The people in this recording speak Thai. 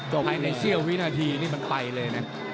ภายในเสี้ยววินาทีนี่มันไปเลยนะ